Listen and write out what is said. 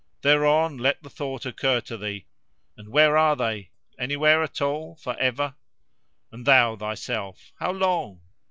Thereon, let the thought occur to thee: And where are they? anywhere at all, for ever? And thou, thyself—how long?